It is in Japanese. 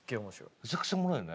めちゃくちゃおもろいよね。